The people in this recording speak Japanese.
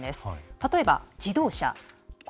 例えば、自動車。